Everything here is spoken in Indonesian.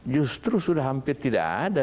justru sudah hampir tidak ada